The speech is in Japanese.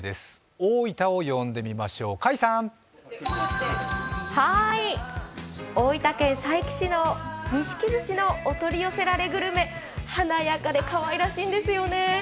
大分を呼んでみましょう、甲斐さん大分県佐伯氏の錦寿司のお取り寄せられグルメ華やかでかわいらしいんですよね。